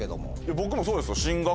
僕もそうですよ。